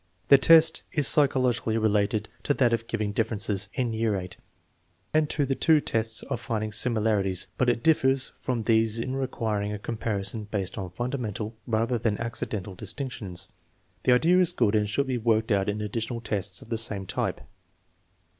The test is psychologically related to that of giving dif ferences in year VIII and to the two tests of finding similari ties; but it differs from these in requiring a comparison based on fundamental rather than accidental distinctions. The idea is good and should be worked out in additional tests of the same type.